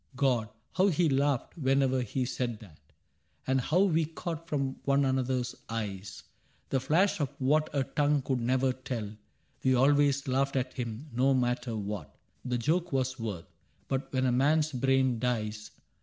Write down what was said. ^^"' God ! how he laughed whenever he said that ; And how we caught from one another* s eyes The fash of what a tongue could never tell ! We always laughed at him^ no matter what The joke was worth. But when a man^s brain dies.